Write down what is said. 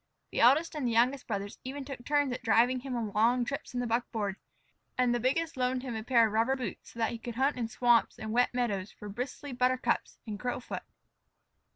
The eldest and the youngest brothers even took turns at driving him on long trips in the buckboard, and the biggest loaned him a pair of rubber boots so that he could hunt in swamps and wet meadows for bristly buttercups and crowfoot.